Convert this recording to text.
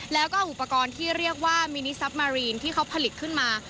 แล้วก็อุปกรณ์ที่เรียกว่ามินิซับมารีนที่เขาผลิตขึ้นมา